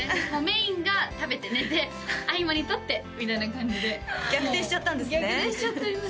メインが食べて寝て合間に撮ってみたいな感じで逆転しちゃったんですね逆転しちゃっております